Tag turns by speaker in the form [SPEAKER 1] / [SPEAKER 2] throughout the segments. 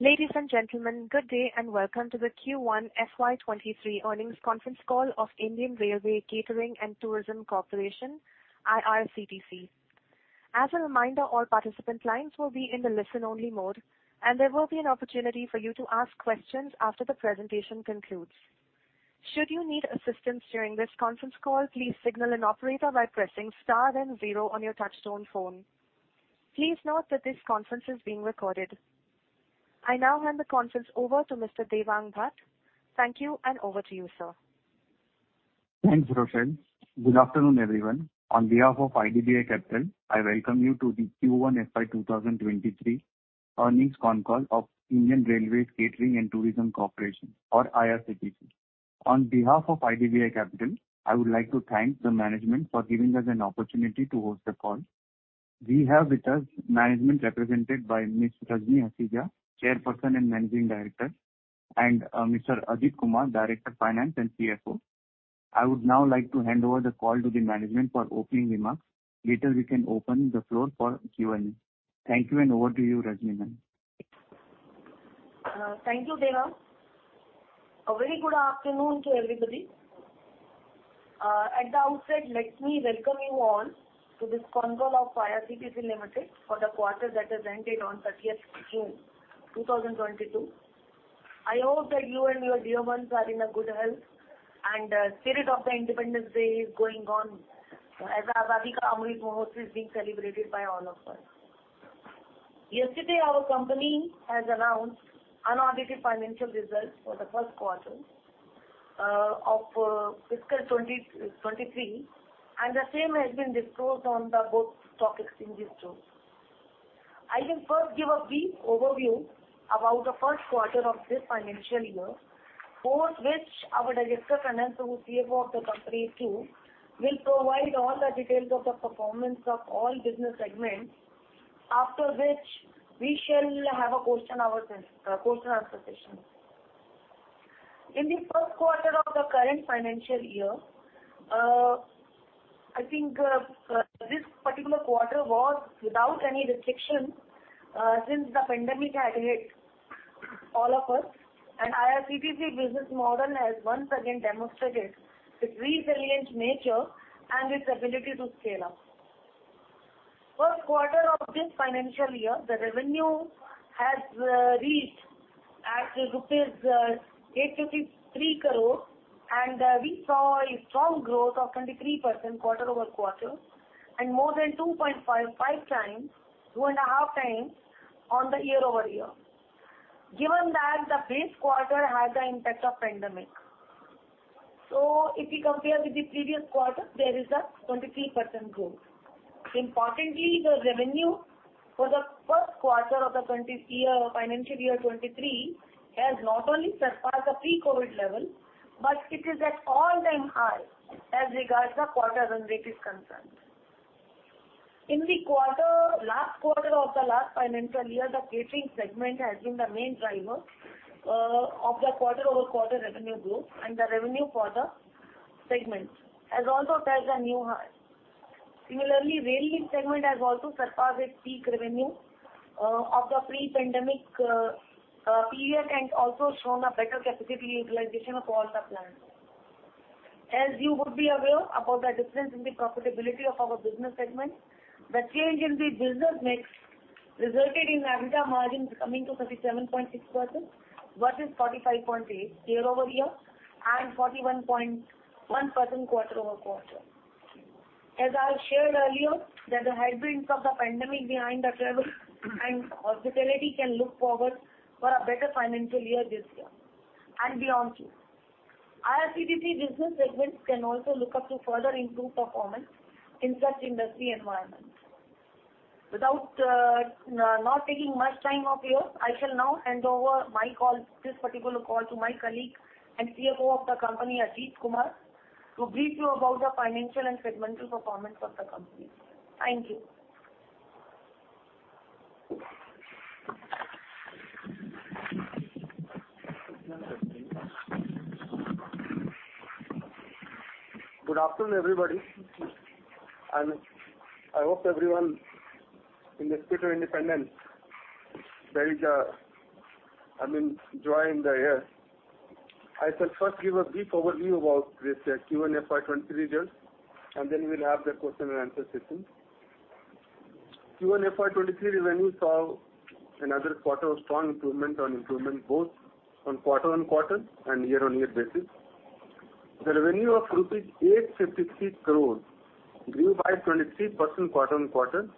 [SPEAKER 1] Ladies and gentlemen, good day and welcome to the Q1 FY 2023 Earnings Conference Call of Indian Railway Catering and Tourism Corporation, IRCTC. As a reminder, all participant lines will be in the listen-only mode, and there will be an opportunity for you to ask questions after the presentation concludes. Should you need assistance during this conference call, please signal an operator by pressing star then zero on your touchtone phone. Please note that this conference is being recorded. I now hand the conference over to Mr. Devang Bhatt. Thank you, and over to you, sir.
[SPEAKER 2] Thanks, Rochelle. Good afternoon, everyone. On behalf of IDBI Capital, I welcome you to the Q1 FY 2023 earnings con call of Indian Railway Catering and Tourism Corporation, or IRCTC. On behalf of IDBI Capital, I would like to thank the management for giving us an opportunity to host the call. We have with us management represented by Ms. Rajni Hasija, Chairperson and Managing Director, and Mr. Ajit Kumar, Director of Finance and CFO. I would now like to hand over the call to the management for opening remarks. Later, we can open the floor for Q&A. Thank you, and over to you, Rajni ma'am.
[SPEAKER 3] Thank you, Devang. A very good afternoon to everybody. At the outset, let me welcome you all to this conference call of IRCTC Limited for the quarter that has ended on 30th June 2022. I hope that you and your dear ones are in good health, and spirit of the Independence Day is going on as Azadi Ka Amrit Mahotsav is being celebrated by all of us. Yesterday, our company has announced unaudited financial results for the first quarter of fiscal 2023, and the same has been disclosed on both stock exchanges too. I will first give a brief overview about the first quarter of this financial year, after which our [Director] of Finance who is CFO of the company too will provide all the details of the performance of all business segments. After which we shall have a question hour, question and answer session. In the first quarter of the current financial year, I think, this particular quarter was without any restriction, since the pandemic had hit all of us, and IRCTC business model has once again demonstrated its resilient nature and its ability to scale up. First quarter of this financial year, the revenue has reached at rupees 853 crore, and we saw a strong growth of 23% quarter-over-quarter, and more than 2.55x, 2.5x on the year-over-year. Given that the base quarter had the impact of pandemic. If you compare with the previous quarter, there is a 23% growth. Importantly, the revenue for the first quarter of the financial year 2023 has not only surpassed the pre-COVID level, but it is at all-time high as regards the quarter run rate is concerned. In the last quarter of the last financial year, the catering segment has been the main driver of the quarter-over-quarter revenue growth. The revenue for the segment has also touched a new high. Similarly, the railway segment has also surpassed its peak revenue of the pre-pandemic period, and also shown a better capacity utilization of all the plants. As you would be aware about the difference in the profitability of our business segment, the change in the business mix resulted in EBITDA margin coming to 37.6% versus 45.8% year-over-year and 41.1% quarter-over-quarter. As I shared earlier, that the headwinds of the pandemic behind the travel and hospitality can look forward for a better financial year this year and beyond too. IRCTC business segments can also look up to further improve performance in such industry environment. Without taking much time of yours, I shall now hand over my call, this particular call, to my colleague and CFO of the company, Ajit Kumar, to brief you about the financial and segmental performance of the company. Thank you.
[SPEAKER 4] Good afternoon, everybody, and I hope everyone in the spirit of independence there is, I mean, joy in the air. I shall first give a brief overview about this Q1 FY 20 23 results, and then we'll have the question and answer session. Q1 FY 2023 revenue saw another quarter of strong improvement both on quarter-over-quarter and year-over-year basis. The revenue of rupees 853 crores grew by 23% quarter-over-quarter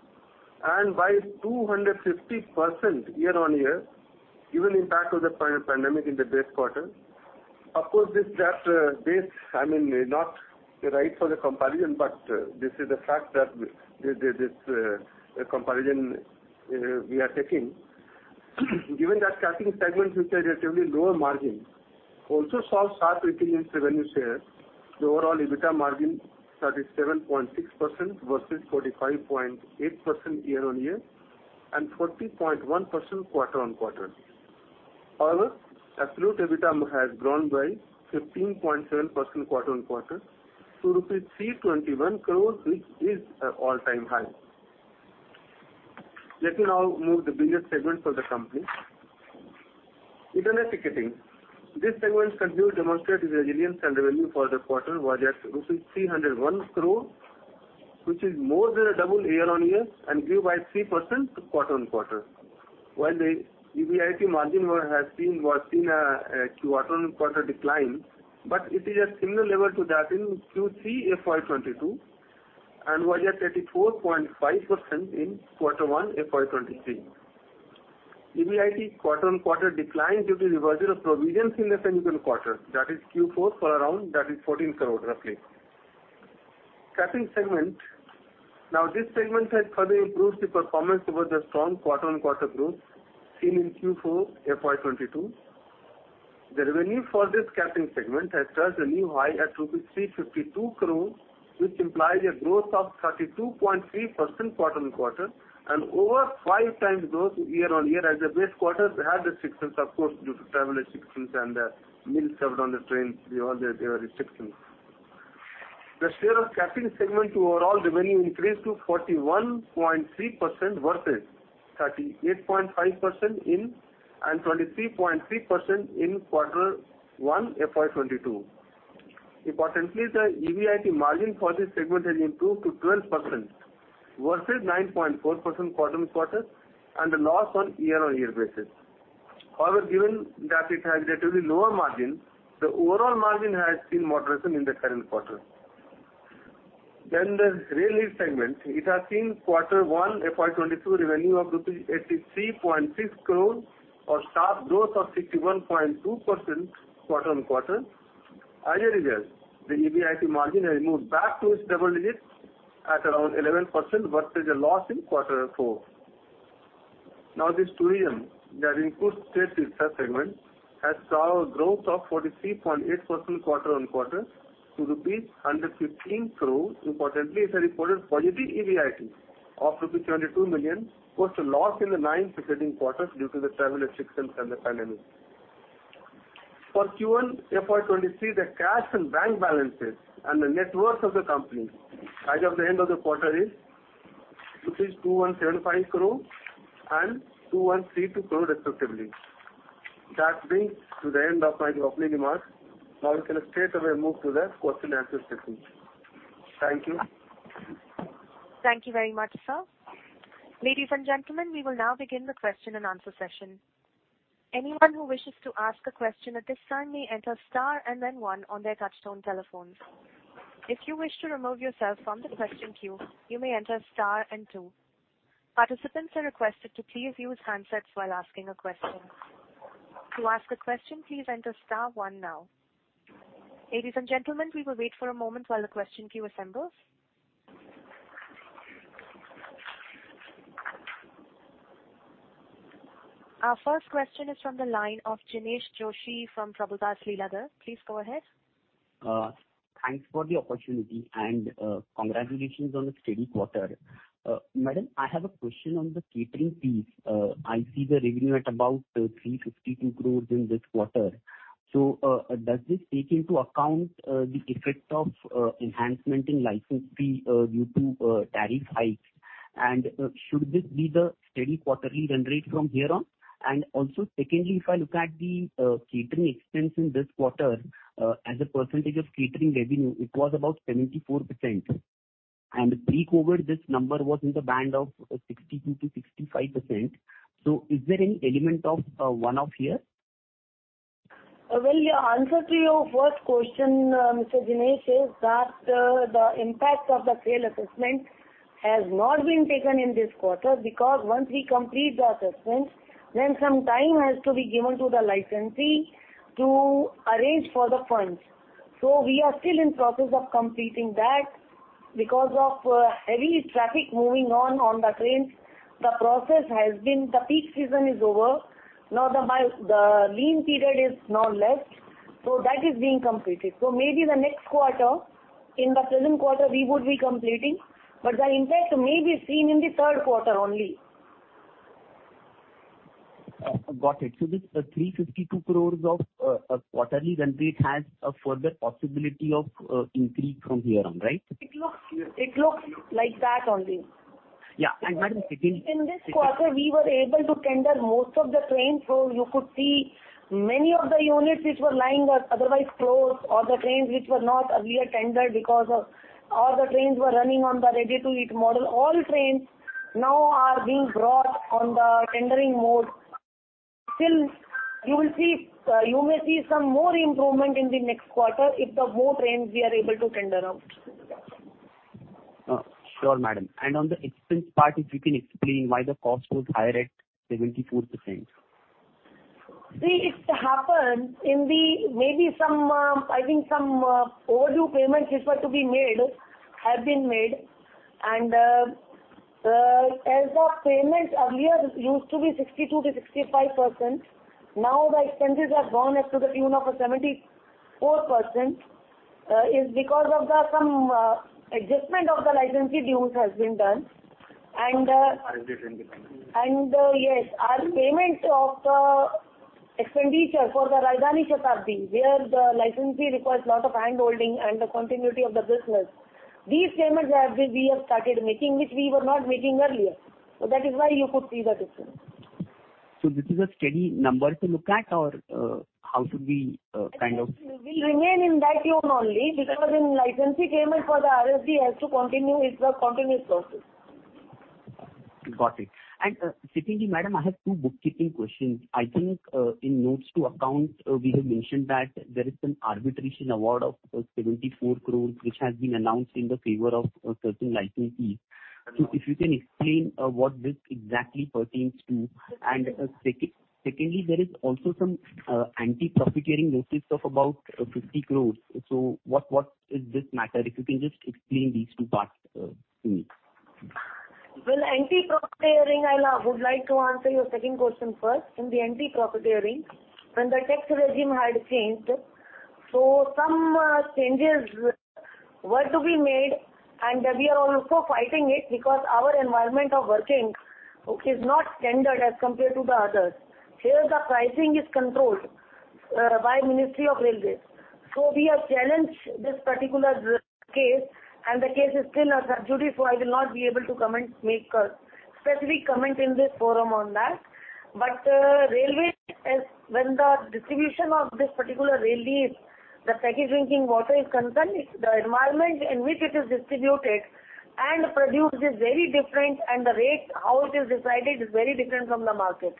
[SPEAKER 4] and by 250% year-over-year, given impact of the pandemic in the base quarter. Of course, this base, I mean, not right for the comparison, but this is the fact that this comparison we are taking. Given that catering segment which had a relatively lower margin also saw sharp increase in revenue share, the overall EBITDA margin 37.6% versus 45.8% year-on-year and 40.1% quarter-on-quarter. Our absolute EBITDA has grown by 15.7% quarter-on-quarter to INR 321 crore, which is an all-time high. Let me now move to the business segment for the company. Internet Ticketing, this segment continued to demonstrate its resilience, and revenue for the quarter was at rupees 301 crore, which is more than double year-on-year and grew by 3% quarter-on-quarter. While the EBIT margin was in a quarter-on-quarter decline, but it is a similar level to that in Q3 FY 2022 and was at 34.5% in Q1 FY 2023. EBIT quarter-on-quarter declined due to reversal of provisions in the second quarter, that is Q4, for around 14 crore roughly. Catering segment. Now, this segment has further improved the performance over the strong quarter-on-quarter growth seen in Q4 FY 2022. The revenue for this catering segment has touched a new high at rupees 352 crore, which implies a growth of 32.3% quarter-on-quarter and over 5x growth year-on-year, as the base quarter had restrictions, of course, due to travel restrictions and the meals served on the train, they all had their restrictions. The share of catering segment to overall revenue increased to 41.3% versus 38.5% in and 23.3% in Q1 FY 2022. Importantly, the EBIT margin for this segment has improved to 12% versus 9.4% quarter-on-quarter and a loss on year-on-year basis. However, given that it has relatively lower margin, the overall margin has seen moderation in the current quarter. The Rail Neer segment. It has seen Q1 FY 2022 revenue of rupee 83.6 crore, a sharp growth of 61.2% quarter-on-quarter. As a result, the EBIT margin has moved back to its double digits at around 11% versus a loss in quarter four. Now this tourism that includes state tourism segment, has saw a growth of 43.8% quarter-on-quarter to INR 115 crore. Importantly, it has reported positive EBIT of 22 million versus a loss in the nine preceding quarters due to the travel restrictions and the pandemic. For Q1 FY 2023, the cash and bank balances and the net worth of the company as of the end of the quarter is rupees 2,175 crore and 2,132 crore respectively. That brings to the end of my opening remarks. Now we can straightaway move to the question and answer session. Thank you.
[SPEAKER 1] Thank you very much, sir. Ladies and gentlemen, we will now begin the question and answer session. Anyone who wishes to ask a question at this time may enter star and then one on their touchtone telephones. If you wish to remove yourself from the question queue, you may enter star and two. Participants are requested to please use handsets while asking a question. To ask a question, please enter star one now. Ladies and gentlemen, we will wait for a moment while the question queue assembles. Our first question is from the line of Jinesh Joshi from Prabhudas Lilladher. Please go ahead.
[SPEAKER 5] Thanks for the opportunity and congratulations on the steady quarter. Madam, I have a question on the catering fees. I see the revenue at about 352 crores in this quarter. Does this take into account the effect of enhancement in license fee due to tariff hike? Should this be the steady quarterly run rate from here on? Also secondly, if I look at the catering expense in this quarter as a percentage of catering revenue, it was about 74%. Pre-COVID, this number was in the band of 62%-65%. Is there any element of one-off here?
[SPEAKER 3] Well, your answer to your first question, Mr. Jinesh, is that the impact of the sale assessment has not been taken in this quarter because once we complete the assessment, then some time has to be given to the licensee to arrange for the funds. We are still in process of completing that. Because of heavy traffic moving on the trains, the peak season is over. Now the lean period is now left. That is being completed. Maybe the next quarter, in the present quarter we would be completing, but the impact may be seen in the third quarter only.
[SPEAKER 5] Got it. This 352 crore of quarterly run rate has a further possibility of increase from here on, right?
[SPEAKER 3] It looks like that only.
[SPEAKER 5] Yeah. Madam, if you-
[SPEAKER 3] In this quarter we were able to tender most of the trains. You could see many of the units which were lying or otherwise closed, or the trains which were not earlier tendered because of all the trains were running on the ready-to-eat model. All trains now are being brought on the tendering mode. Still, you will see, you may see some more improvement in the next quarter if the more trains we are able to tender out.
[SPEAKER 5] Sure, madam. On the expense part, if you can explain why the cost was higher at 74%.
[SPEAKER 3] See, it happened in the overdue payments which were to be made have been made. As the payments earlier used to be 62%-65%. Now the expenses have gone up to the tune of 74% is because of some adjustment of the licensee dues has been done. Yes, our payment of expenditure for the Rajdhani, Shatabdi, where the licensee requires lot of handholding and the continuity of the business. These payments we have started making, which we were not making earlier. That is why you could see the difference.
[SPEAKER 5] This is a steady number to look at or, how should we, kind of-
[SPEAKER 3] It will remain in that tone only because the licensing payment for the RFD has to continue. It's a continuous process.
[SPEAKER 5] Got it. Secondly, madam, I have two bookkeeping questions. I think, in notes to accounts, we have mentioned that there is an arbitration award of 74 crore, which has been announced in the favor of a certain licensee. If you can explain what this exactly pertains to. Secondly, there is also some anti-profiteering notice of about 50 crore. What is this matter? If you can just explain these two parts to me.
[SPEAKER 3] Well, anti-profiteering, I would like to answer your second question first. In the anti-profiteering, when the tax regime had changed, so some changes were to be made, and we are also fighting it because our environment of working, okay, is not standard as compared to the others. Here, the pricing is controlled by Ministry of Railways. We have challenged this particular case, and the case is still sub judice, so I will not be able to comment, make a specific comment in this forum on that. But when the distribution of this particular railway's packaged drinking water is concerned, the environment in which it is distributed and produced is very different, and the rate, how it is decided, is very different from the market.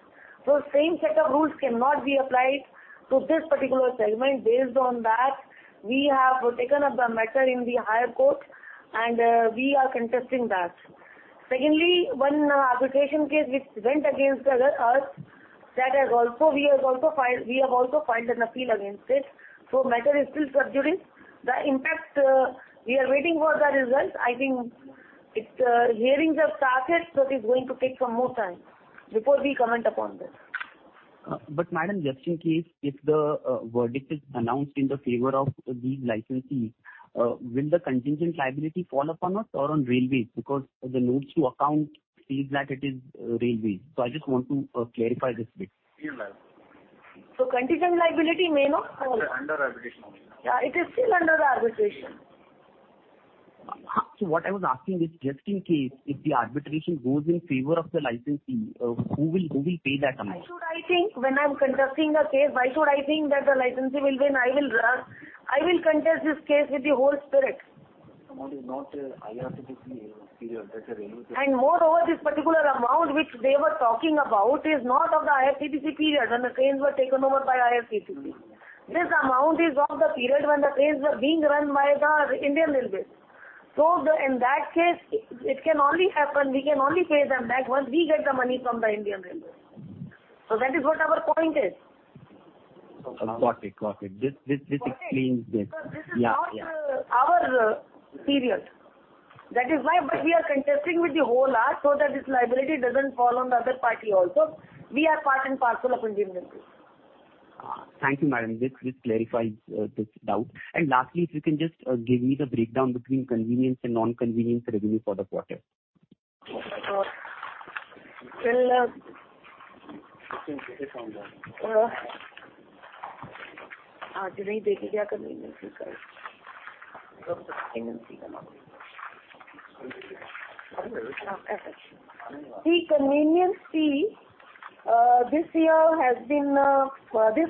[SPEAKER 3] Same set of rules cannot be applied to this particular segment. Based on that, we have taken up the matter in the higher court, and we are contesting that. Secondly, one arbitration case which went against us. We have also filed an appeal against it. Matter is still sub judice. The impact, we are waiting for the results. I think it's, hearings have started, but it's going to take some more time before we comment upon this.
[SPEAKER 5] Madam, just in case if the verdict is announced in the favor of these licensees, will the contingent liability fall upon us or on Railways? Because the notes to account says that it is Railways. I just want to clarify this bit.
[SPEAKER 3] Contingent liability may not fall.
[SPEAKER 4] Under arbitration only.
[SPEAKER 3] Yeah, it is still under arbitration.
[SPEAKER 5] What I was asking is just in case if the arbitration goes in favor of the licensee, who will pay that amount?
[SPEAKER 3] Why should I think when I'm contesting a case, why should I think that the licensee will win? I will contest this case with the whole spirit.
[SPEAKER 4] Amount is not IRCTC period. That's a Railway period.
[SPEAKER 3] Moreover, this particular amount which they were talking about is not of the IRCTC period when the trains were taken over by IRCTC. This amount is of the period when the trains were being run by the Indian Railways. In that case, it can only happen. We can only pay them back once we get the money from the Indian Railways. That is what our point is.
[SPEAKER 5] Got it. This explains this.
[SPEAKER 3] Got it.
[SPEAKER 5] Yeah, yeah.
[SPEAKER 3] This is not our period. That is why, but we are contesting with the whole lot so that this liability doesn't fall on the other party also. We are part and parcel of Indian Railways.
[SPEAKER 5] Thank you, madam. This clarifies this doubt. Lastly, if you can just give me the breakdown between convenience and non-convenience revenue for the quarter.
[SPEAKER 3] Well.
[SPEAKER 4] Convenience fee ka number.
[SPEAKER 3] The convenience fee this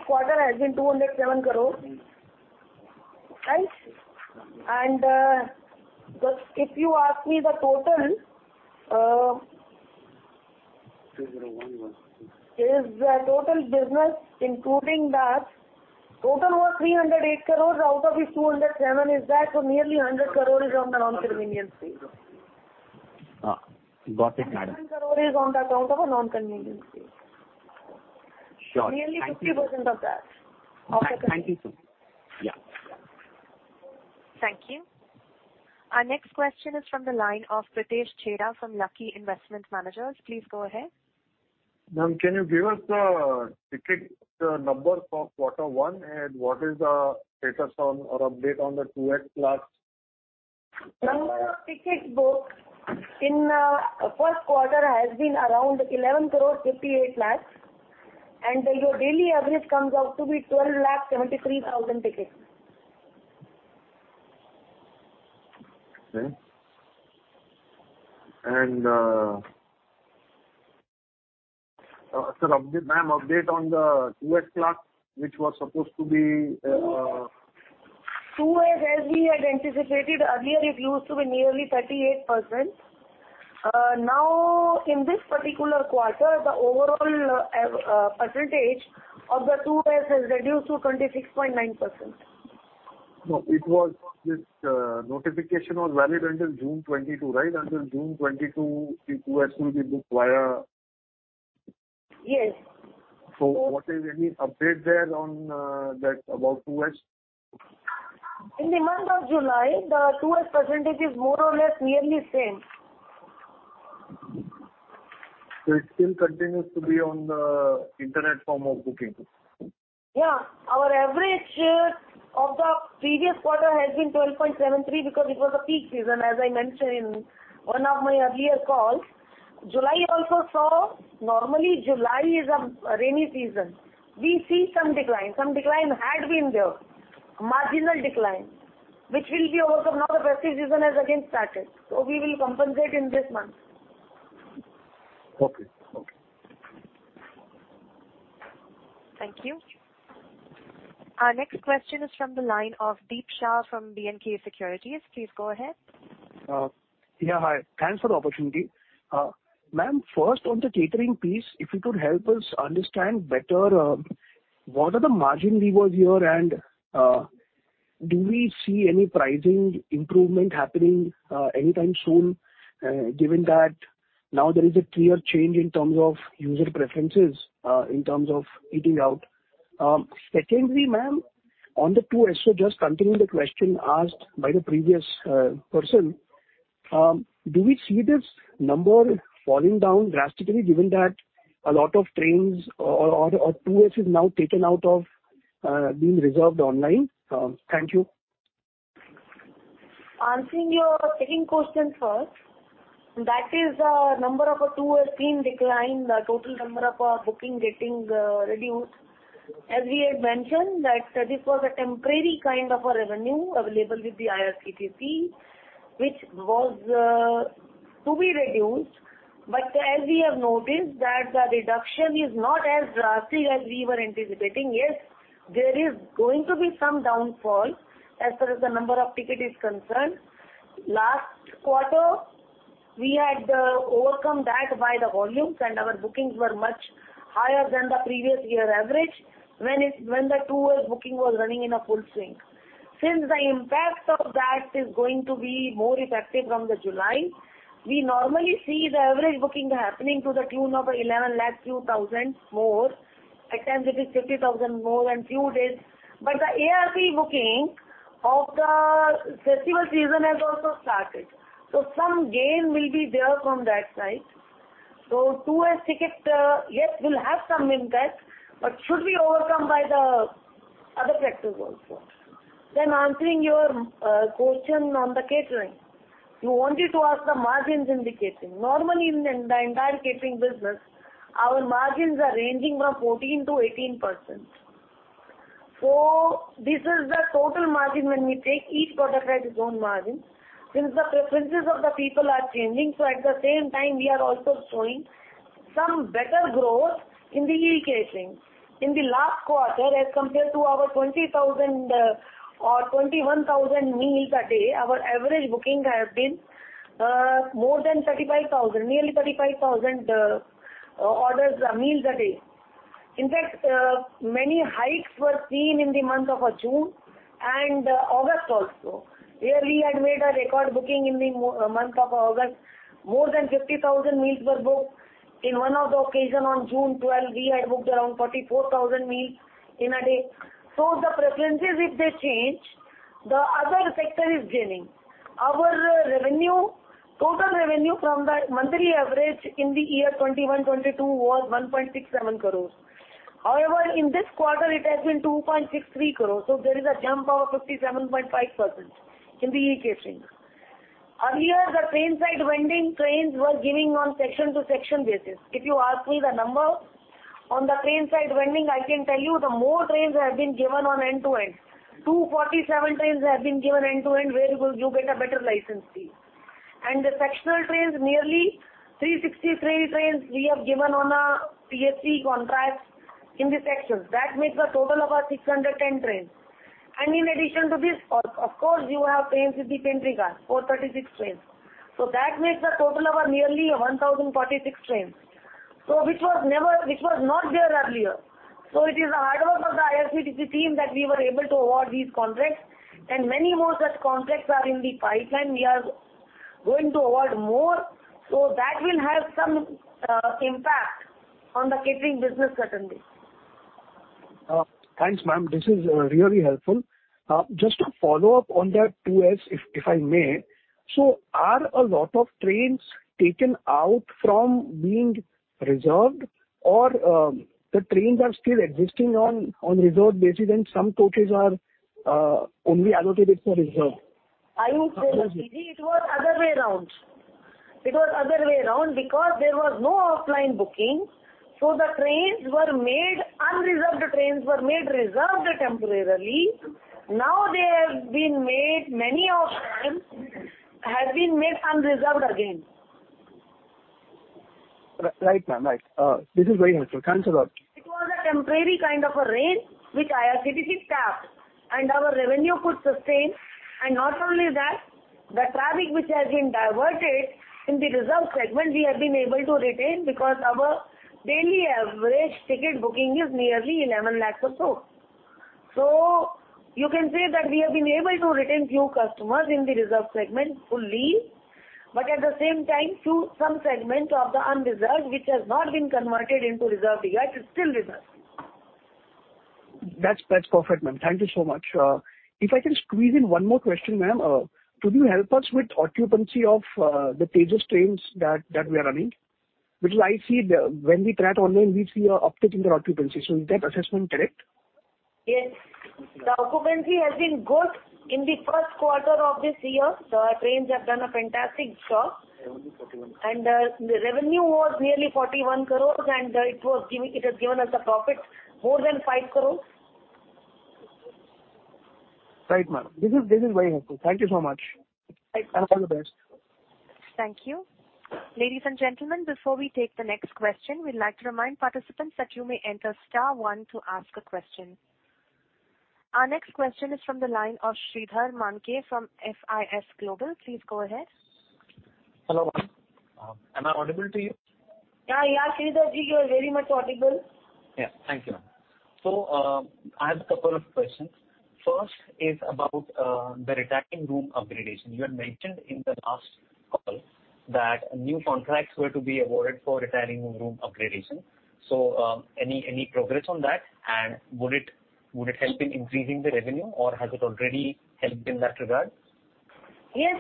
[SPEAKER 3] quarter has been 207 crores. Right. If you ask me, the total business including that was 308 crores. Out of it, 207 crore is that. Nearly 100 crores is on the non-convenience fee.
[SPEAKER 5] Got it, Madam.
[SPEAKER 3] [100 crore is on account of a] non-convenience fee.
[SPEAKER 5] Sure. Thank you.
[SPEAKER 3] Nearly 50% of that.
[SPEAKER 5] Thank you. Yeah.
[SPEAKER 1] Thank you. Our next question is from the line of Pritesh Chheda from Lucky Investment Managers. Please go ahead.
[SPEAKER 6] Ma'am, can you give us the ticket numbers for quarter one, and what is the status on or update on the 2S class?
[SPEAKER 3] Number of tickets booked in first quarter has been around 11 crores 58 lakhs, and your daily average comes out to be 12 lakh 73 thousand tickets.
[SPEAKER 6] Okay. Ma'am, update on the 2S class, which was supposed to be,
[SPEAKER 3] 2S, as we had anticipated earlier, it used to be nearly 38%. Now in this particular quarter, the overall percentage of the 2S has reduced to 26.9%.
[SPEAKER 6] No, it was this, notification was valid until June 2022, right? Until June 2022, the 2S will be booked via-
[SPEAKER 3] Yes.
[SPEAKER 6] What is any update there on that about 2S?
[SPEAKER 3] In the month of July, the 2S % is more or less nearly same.
[SPEAKER 6] Okay. It still continues to be on the internet form of booking.
[SPEAKER 3] Yeah. Our average of the previous quarter has been 12.73 because it was a peak season, as I mentioned in one of my earlier calls. July also saw. Normally, July is a rainy season. We see some decline. Some decline had been there, marginal decline, which will be overcome. Now the festive season has again started, so we will compensate in this month.
[SPEAKER 6] Okay. Okay.
[SPEAKER 1] Thank you. Our next question is from the line of Deep Shah from B&K Securities. Please go ahead.
[SPEAKER 7] Yeah, hi. Thanks for the opportunity. Ma'am, first on the catering piece, if you could help us understand better, what are the margin levers here and, do we see any pricing improvement happening, anytime soon, given that now there is a clear change in terms of user preferences, in terms of eating out? Secondly, ma'am, on the tour, so just continuing the question asked by the previous person, do we see this number falling down drastically given that a lot of trains or tours is now taken out of being reserved online? Thank you.
[SPEAKER 3] Answering your second question first, that is, number of tours being declined, total number of bookings getting reduced. As we had mentioned that this was a temporary kind of a revenue available with the IRCTC, which was to be reduced. But as we have noticed that the reduction is not as drastic as we were anticipating. Yes, there is going to be some downfall as far as the number of tickets is concerned. Last quarter, we had overcome that by the volumes, and our bookings were much higher than the previous year average when the tour booking was running in a full swing. Since the impact of that is going to be more effective from July, we normally see the average booking happening to the tune of 11 lakh, few thousand more. At times it is 50,000 more and few days. The ARP booking of the festival season has also started, so some gain will be there from that side. Tour tickets will have some impact, but should be overcome by the other factors also. Answering your question on the catering. You wanted to ask the margins in the catering. Normally in the entire catering business, our margins are ranging from 14%-18%. This is the total margin when we take each contract's own margin. Since the preferences of the people are changing, so at the same time we are also showing some better growth in the e-catering. In the last quarter, as compared to our 20,000 or 21,000 meal per day, our average booking have been more than 35,000, nearly 35,000 orders, meals a day. In fact, many hikes were seen in the month of June and August also. Here we had made a record booking in the month of August. More than 50,000 meals were booked. In one of the occasion on June 12, we had booked around 44,000 meals in a day. The preferences, if they change, the other sector is gaining. Our revenue, total revenue from the monthly average in the year 2021-2022 was 1.67 crores. However, in this quarter it has been 2.63 crores. There is a jump of 57.5% in the e-catering. Earlier, the train side vending trains were giving on section to section basis. If you ask me the number on the train side vending, I can tell you the more trains have been given on end to end. 247 trains have been given end to end, where you get a better license fee. The sectional trains, nearly 363 trains we have given on a TSV contract in the sections. That makes a total of 610 trains. In addition to this, of course, you have trains with the pantry car, 436 trains. That makes a total of nearly 1,046 trains. Which was not there earlier. It is the hard work of the IRCTC team that we were able to award these contracts and many more such contracts are in the pipeline. We are going to award more. That will have some impact on the catering business certainly.
[SPEAKER 7] Thanks, ma'am. This is really helpful. Just to follow up on that tour, if I may. Are a lot of trains taken out from being reserved or the trains are still existing on reserved basis and some coaches are only allocated for reserved?
[SPEAKER 3] I would say, PD, it was other way around because there was no offline booking, so unreserved trains were made reserved temporarily. Now, many of them have been made unreserved again.
[SPEAKER 7] Right, ma'am. Right. This is very helpful. Thanks a lot.
[SPEAKER 3] It was a temporary kind of a reign which IRCTC tapped and our revenue could sustain. Not only that, the traffic which has been diverted in the reserved segment, we have been able to retain because our daily average ticket booking is nearly 11 lakh or so. You can say that we have been able to retain few customers in the reserved segment fully, but at the same time, some segment of the unreserved, which has not been converted into reserved yet, is still reserved.
[SPEAKER 7] That's perfect, ma'am. Thank you so much. If I can squeeze in one more question, ma'am. Could you help us with occupancy of the Tejas trains that we are running? Because I see when we track online, we see an uptick in their occupancy. Is that assessment correct?
[SPEAKER 3] Yes. The occupancy has been good in the first quarter of this year. The trains have done a fantastic job. The revenue was nearly 41 crore, and it has given us a profit more than 5 crore.
[SPEAKER 7] Right, ma'am. This is very helpful. Thank you so much.
[SPEAKER 3] Thank you.
[SPEAKER 7] All the best.
[SPEAKER 1] Thank you. Ladies and gentlemen, before we take the next question, we'd like to remind participants that you may enter star one to ask a question. Our next question is from the line of [Sridhar Manké] from SIS Global. Please go ahead.
[SPEAKER 8] Hello, ma'am. Am I audible to you?
[SPEAKER 3] Yeah, yeah, Sridharji, you are very much audible.
[SPEAKER 8] Yeah. Thank you, ma'am. I have a couple of questions. First is about the retiring room upgradation. You had mentioned in the last call that new contracts were to be awarded for retiring room upgradation. Any progress on that? And would it help in increasing the revenue, or has it already helped in that regard?
[SPEAKER 3] Yes,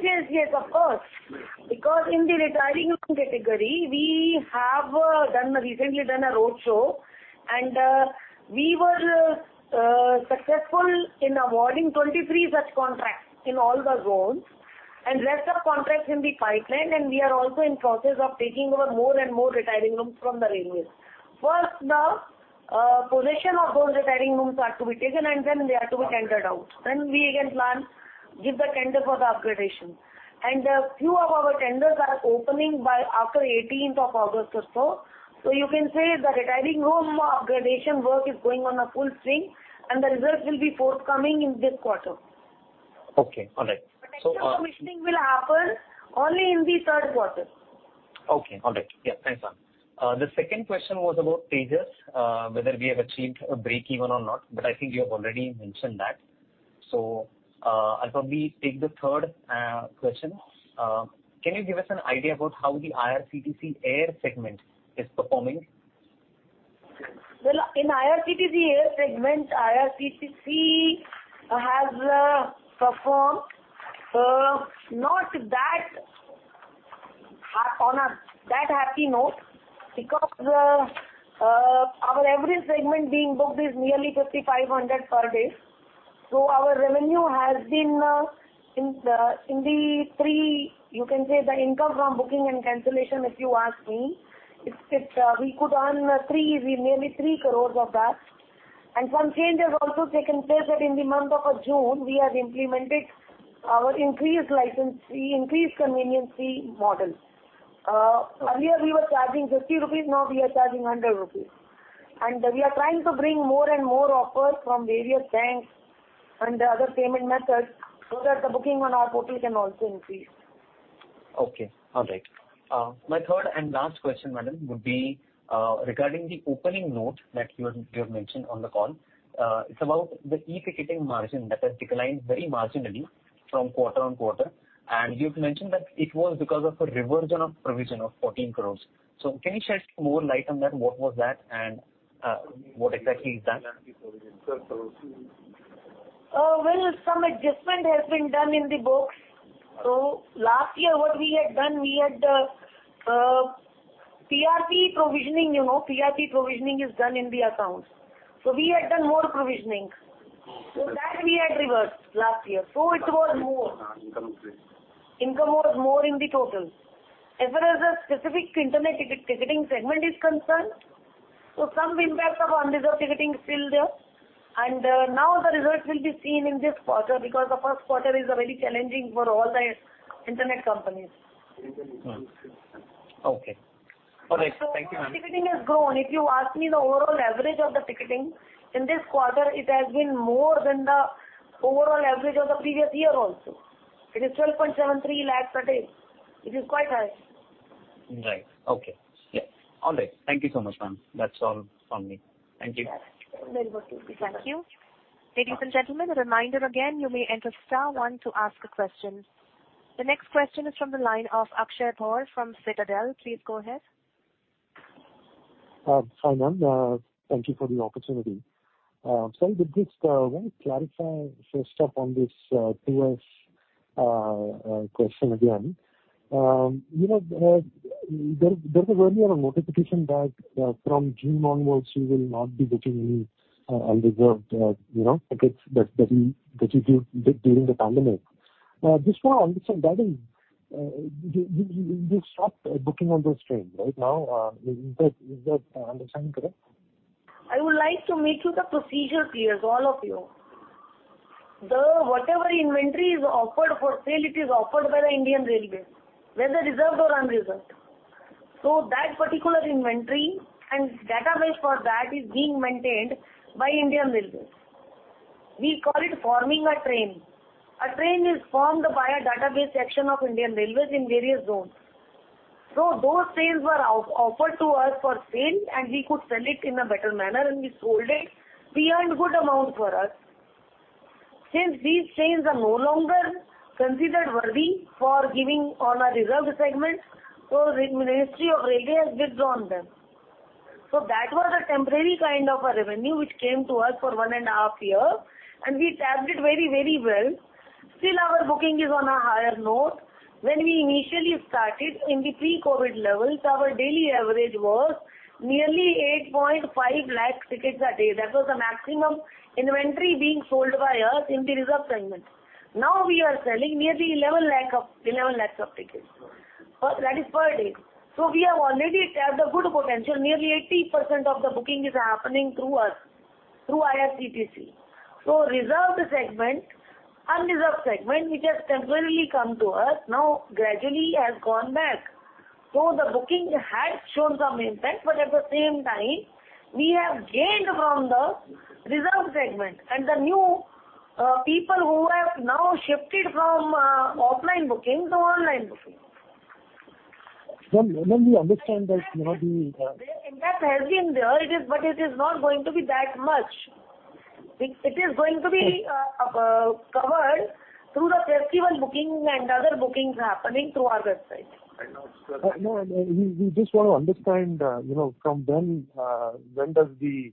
[SPEAKER 3] of course. Because in the retiring room category, we have recently done a roadshow, and we were successful in awarding 23 such contracts in all the zones. Rest of contracts in the pipeline, and we are also in process of taking over more and more retiring rooms from the railways. First, the possession of those retiring rooms are to be taken, and then they are to be tendered out. Then we again plan, give the tender for the upgradation. A few of our tenders are opening by after eighteenth of August or so. You can say the retiring room upgradation work is going on full swing, and the results will be forthcoming in this quarter.
[SPEAKER 8] Okay. All right.
[SPEAKER 3] Actual commissioning will happen only in the third quarter.
[SPEAKER 8] Thanks, ma'am. The second question was about Tejas, whether we have achieved breakeven or not, but I think you have already mentioned that. I'll probably take the third question. Can you give us an idea about how the IRCTC air segment is performing?
[SPEAKER 3] Well, in IRCTC air segment, IRCTC has performed not on that happy note because our average segment being booked is nearly 5,500 per day. Our revenue has been in the three. You can say the income from booking and cancellation, if you ask me, it's we could earn three, nearly 3 crore of that. Some changes also taken place that in the month of June we have implemented our increased license fee, increased convenience fee model. Earlier we were charging 50 rupees, now we are charging 100 rupees. We are trying to bring more and more offers from various banks and other payment methods so that the booking on our portal can also increase.
[SPEAKER 8] Okay. All right. My third and last question, madam, would be regarding the opening note that you have mentioned on the call. It's about the e-Ticketing margin that has declined very marginally from quarter-over-quarter. And you've mentioned that it was because of a reversal of provision of 14 crore. Can you shed more light on that? What was that and what exactly is that?
[SPEAKER 3] Well, some adjustment has been done in the books. Last year what we had done, we had PRP provisioning, you know. PRP provisioning is done in the accounts. We had done more provisioning. That we had reversed last year. It was more. Income was more in the total. As far as the specific Internet Ticketing segment is concerned, some impacts of unreserved ticketing is still there. Now the results will be seen in this quarter because the first quarter is really challenging for all the internet companies.
[SPEAKER 8] Okay. All right. Thank you, ma'am.
[SPEAKER 3] Our ticketing has grown. If you ask me the overall average of the ticketing in this quarter, it has been more than the overall average of the previous year also. It is 12.73 lakhs per day. It is quite high.
[SPEAKER 8] Right. Okay. Yeah. All right. Thank you so much, ma'am. That's all from me. Thank you.
[SPEAKER 3] Very welcome.
[SPEAKER 1] Thank you. Ladies and gentlemen, a reminder again, you may enter star one to ask a question. The next question is from the line of Akshay Bhor from Citadel. Please go ahead.
[SPEAKER 9] Hi, ma'am. Thank you for the opportunity. Starting with this, may I clarify first up on this, 2S question again. You know, there is a worry on a notification that from June onwards you will not be booking any unreserved you know tickets that you give during the pandemic. This one, understand that is you stop booking on those trains right now. Is that understanding correct?
[SPEAKER 3] I would like to make the procedure clear to you, all of you. Whatever inventory is offered for sale, it is offered by the Indian Railways, whether reserved or unreserved. That particular inventory and database for that is being maintained by Indian Railways. We call it forming a train. A train is formed by a database section of Indian Railways in various zones. Those trains were offered to us for sale, and we could sell it in a better manner, and we sold it. We earned good amount for us. Since these trains are no longer considered worthy for giving on a reserved segment, the Ministry of Railways has withdrawn them. That was a temporary kind of a revenue which came to us for one and a half year, and we tapped it very, very well. Still our booking is on a higher note. When we initially started in the pre-COVID levels, our daily average was nearly 8.5 lakh tickets a day. That was the maximum inventory being sold by us in the reserved segments. Now we are selling nearly 11 lakh tickets per day. We have already tapped the good potential. Nearly 80% of the booking is happening through us, through IRCTC. Reserved segment, unreserved segment, which has temporarily come to us now gradually has gone back. The booking has shown some impact, but at the same time we have gained from the reserved segment and the new people who have now shifted from offline booking to online booking.
[SPEAKER 9] Ma'am, we understand that, you know, the
[SPEAKER 3] The impact has been there. It is, but it is not going to be that much. It is going to be covered through the festival booking and other bookings happening through our website.
[SPEAKER 9] No, no, we just want to understand, you know, from when does the, you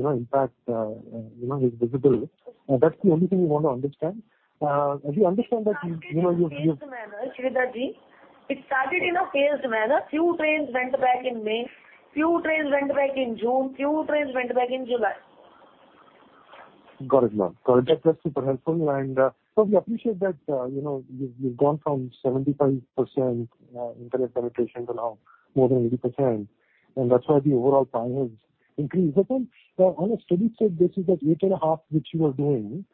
[SPEAKER 9] know, impact, you know, is visible. That's the only thing we want to understand. We understand that, you know, you-
[SPEAKER 3] It is in a phased manner, Sridharji. It started in a phased manner. Few trains went back in May, few trains went back in June, few trains went back in July.
[SPEAKER 9] Got it, ma'am. That's super helpful. We appreciate that, you know, you've gone from 75% internet penetration to now more than 80%, and that's why the overall pie has increased. Ma'am, on a steady-state basis, that 8.5 [lakh] which you are doing,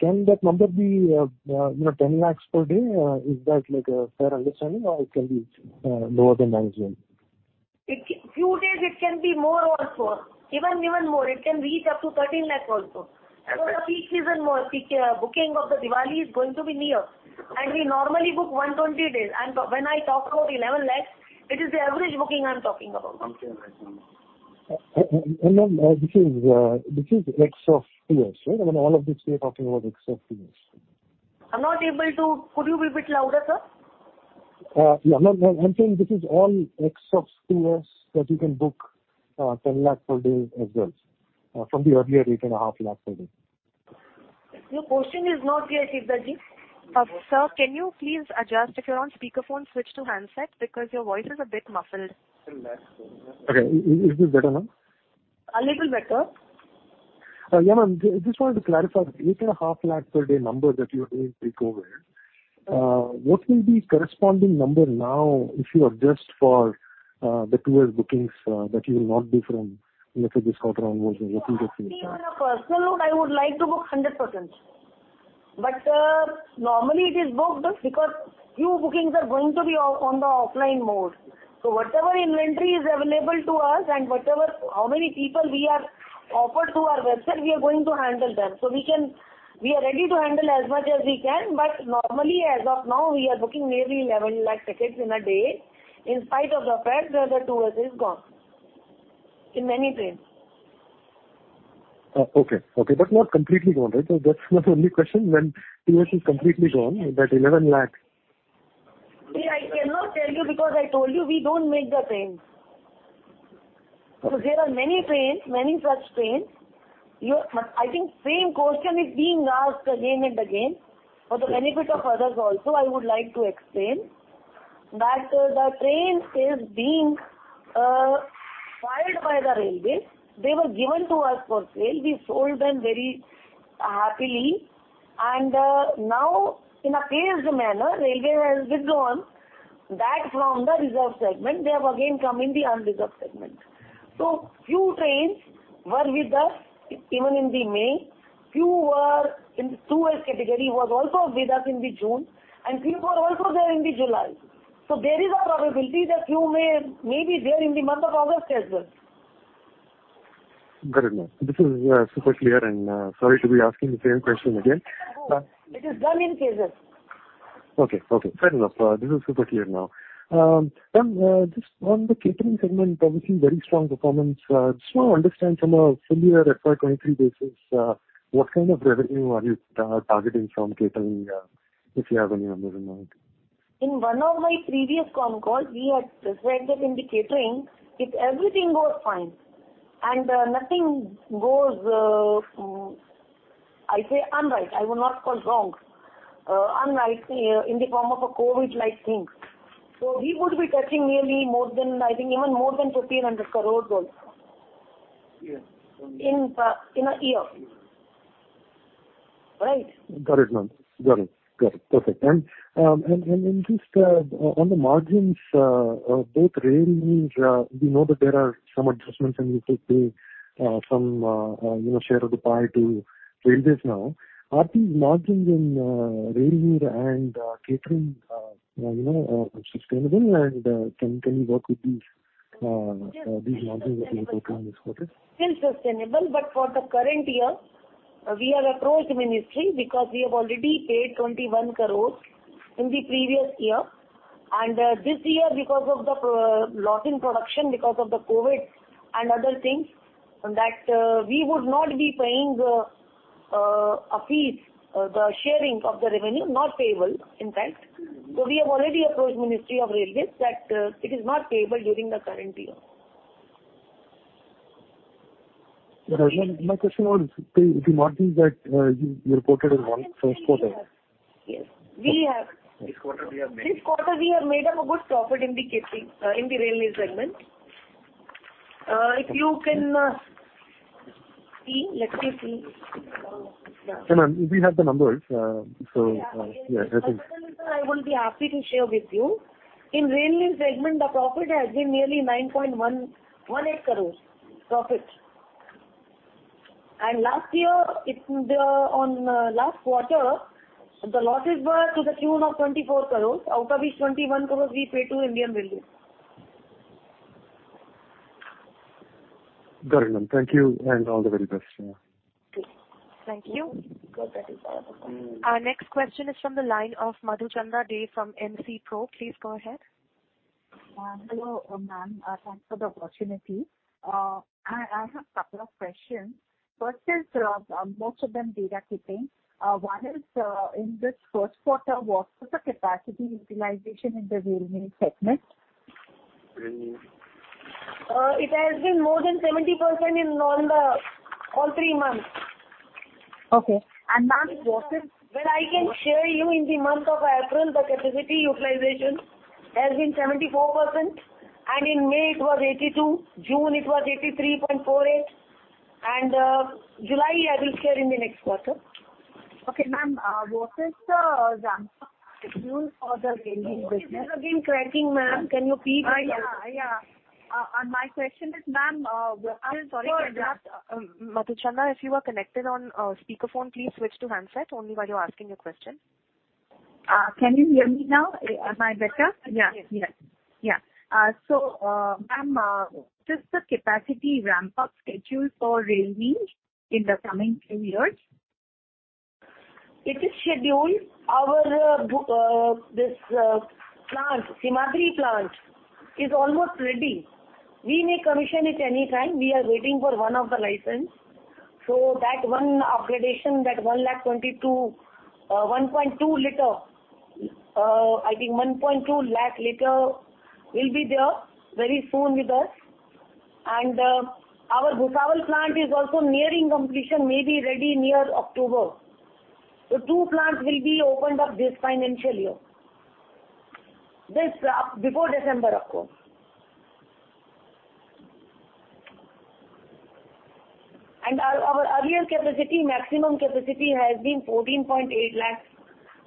[SPEAKER 9] can that number be, you know, 10 lakh per day? Is that like a fair understanding or it can be lower than that as well?
[SPEAKER 3] Few days it can be more also. Even more. It can reach up to 13 lakh also. For the peak season more. Peak booking of Diwali is going to be near, and we normally book 120 days. When I talk about 11 lakh, it is the average booking I'm talking about.
[SPEAKER 9] Okay. I see. Ma'am, this is ex of tours, right? I mean, all of this we are talking about ex of tours.
[SPEAKER 3] Could you be a bit louder, sir?
[SPEAKER 9] Yeah. Ma'am, I'm saying this is all ex of tours that you can book, 10 lakh per day as well, from the earlier 8.5 lakh per day.
[SPEAKER 3] Your question is not clear, Sridharji. Sir, can you please adjust? If you're on speakerphone, switch to handset because your voice is a bit muffled.
[SPEAKER 9] Okay. Is it better, ma'am?
[SPEAKER 3] A little better.
[SPEAKER 9] Yeah, ma'am. Just wanted to clarify. The 8.5 lakh per day number that you were doing pre-COVID, what will be corresponding number now if you adjust for the tour bookings that you will not do anymore, you know, if it is catering versus booking tickets?
[SPEAKER 3] See, on a personal note, I would like to book 100%. Normally it is booked because few bookings are going to be on the offline mode. Whatever inventory is available to us and whatever how many people we are offered through our website, we are going to handle them. We are ready to handle as much as we can. Normally, as of now, we are booking nearly 11 lakh tickets in a day, in spite of the fact that the tours is gone in many trains.
[SPEAKER 9] Oh, okay. Not completely gone, right? That's my only question. When tours is completely gone, that 11 lakh
[SPEAKER 3] I cannot tell you because I told you we don't make the trains. There are many trains, many such trains. I think same question is being asked again and again. For the benefit of others also, I would like to explain that the trains is being hired by the Railways. They were given to us for sale. We sold them very happily. Now in a phased manner, Railway has withdrawn that from the reserved segment. They have again come in the unreserved segment. Few trains were with us even in May. Few were in tours category, was also with us in June, and few were also there in July. There is a probability that few may be there in the month of August as well.
[SPEAKER 9] Got it, ma'am. This is super clear, and sorry to be asking the same question again.
[SPEAKER 3] It is done in phases.
[SPEAKER 9] Okay. Fair enough. This is super clear now. Ma'am, just on the catering segment, obviously very strong performance. Just want to understand from a full year FY 2023 basis, what kind of revenue are you targeting from catering, if you have any number in mind?
[SPEAKER 3] In one of my previous conference calls, we had said that in the catering, if everything goes fine and nothing goes wrong in the form of a COVID-like thing. We would be touching nearly more than, I think, even more than 1,500 crore also.
[SPEAKER 9] Yeah.
[SPEAKER 3] In a year. Right?
[SPEAKER 9] Got it, ma'am. Perfect. Just on the margins, both Rail Neer, we know that there are some adjustments and you should pay some you know share of the pie to Railways now. Are these margins in Rail Neer and catering you know sustainable and can you work with these margins that you are talking in this quarter?
[SPEAKER 3] Still sustainable, but for the current year, we have approached Ministry because we have already paid 21 crore in the previous year. This year, because of the loss in production because of the COVID and other things, we would not be paying the fee, the sharing of the revenue, not payable in fact. We have already approached Ministry of Railways that it is not payable during the current year.
[SPEAKER 9] My question was the margins that you reported in Q1 first quarter.
[SPEAKER 3] Yes. We have-
[SPEAKER 4] This quarter we have made.
[SPEAKER 3] This quarter we have made up a good profit in the catering in the railway segment. If you can see. Let me see. Yeah.
[SPEAKER 9] No, ma'am, we have the numbers. Yeah.
[SPEAKER 3] A couple of minutes and I will be happy to share with you. In railway segment, the profit has been nearly 9.118 crores profit. Last year, it in last quarter, the losses were to the tune of 24 crore, out of which 21 crore we paid to Indian Railways.
[SPEAKER 9] Got it, ma'am. Thank you and all the very best.
[SPEAKER 3] Okay. Thank you.
[SPEAKER 4] You are very welcome.
[SPEAKER 3] Mm.
[SPEAKER 1] Our next question is from the line of [Madhuchanda Dey] from MC Pro. Please go ahead.
[SPEAKER 10] Hello, ma'am. Thanks for the opportunity. I have couple of questions. First is most of them data keeping. One is, in this first quarter, what was the capacity utilization in the railway segment?
[SPEAKER 3] It has been more than 70% in all three months.
[SPEAKER 10] Okay. Ma'am.
[SPEAKER 3] Well, I can share you in the month of April, the capacity utilization has been 74%, and in May it was 82%, June it was 83.48%. July I will share in the next quarter.
[SPEAKER 10] Okay, ma'am, what is the ramp up schedule for the railway business?
[SPEAKER 3] It is again cracking, ma'am. Can you please repeat your question?
[SPEAKER 10] My question is, ma'am, what is the
[SPEAKER 1] I'm sorry to interrupt. Madhuchanda, if you are connected on speakerphone, please switch to handset only while you're asking your question.
[SPEAKER 11] Can you hear me now? Am I better?
[SPEAKER 3] Yes. Yes.
[SPEAKER 11] Yeah, ma'am, what is the capacity ramp up schedule for railway in the coming few years?
[SPEAKER 3] It is scheduled. Our Simhadri plant is almost ready. We may commission it any time. We are waiting for one license. That one upgradation, that 1.2 lakh liters will be there very soon with us. Our Bhusawal plant is also nearing completion, may be ready near October. Two plants will be opened up this financial year before December, of course. Our earlier capacity, maximum capacity has been 14.8 lakh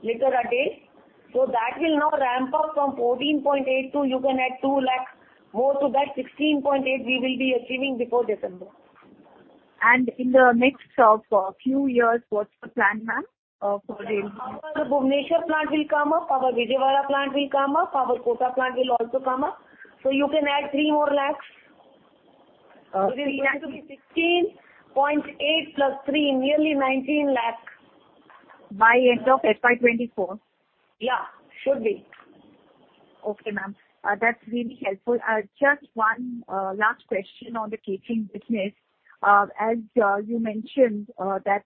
[SPEAKER 3] liters a day. That will now ramp up from 14.8. You can add 2 lakh more to that, 16.8 we will be achieving before December.
[SPEAKER 10] In the next few years, what's the plan, ma'am, for railway?
[SPEAKER 3] Our Bhubaneswar plant will come up, our Vijayawada plant will come up, our Kota plant will also come up. You can add 3 more lakhs.
[SPEAKER 10] INR 3 lakh.
[SPEAKER 3] It is going to be 16.8 + 3, nearly 19 lakh.
[SPEAKER 10] By end of FY 2024?
[SPEAKER 3] Yeah. Should be.
[SPEAKER 10] Okay, ma'am. That's really helpful. Just one last question on the catering business. As you mentioned, that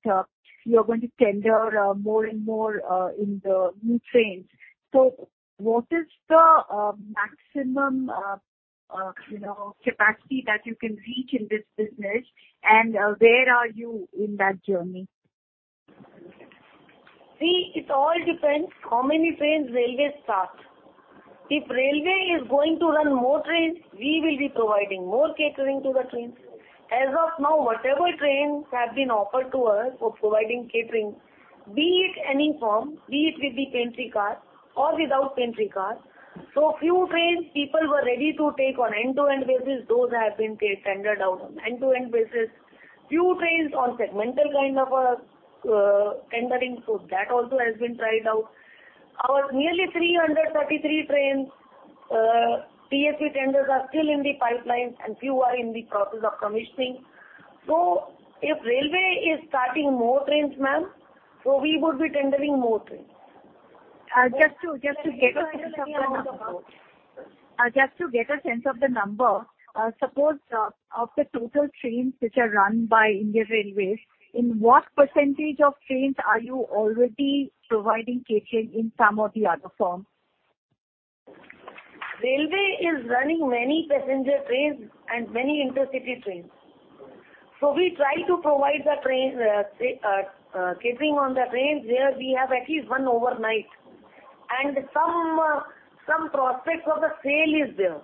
[SPEAKER 10] you're going to tender more and more in the new trains. What is the maximum you know capacity that you can reach in this business, and where are you in that journey?
[SPEAKER 3] See, it all depends how many trains Railways starts. If Railways is going to run more trains, we will be providing more catering to the trains. As of now, whatever trains have been offered to us for providing catering, be it any form, be it with the pantry car or without pantry car. Few trains, people were ready to take on end-to-end basis. Those have been tendered out on end-to-end basis. Few trains on segmental kind of a tendering. That also has been tried out. Our nearly 333 trains, TSV tenders are still in the pipeline, and few are in the process of commissioning. If Railways is starting more trains, ma'am, we would be tendering more trains.
[SPEAKER 10] Just to get a sense of the number, suppose, of the total trains which are run by Indian Railways, in what percentage of trains are you already providing catering in some or the other form?
[SPEAKER 3] Railway is running many passenger trains and many intercity trains. We try to provide the train catering on the trains where we have at least one overnight. Some prospect of the sale is there.